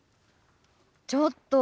ちょっと！